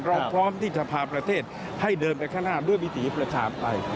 พร้อมที่จะพาประเทศให้เดินไปข้างหน้าด้วยวิถีประชาธิปไตย